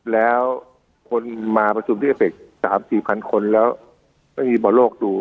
แล้วคนมาประชุมที่เอเฟค๓๔พันคนแล้วต้องมีบทโลกดู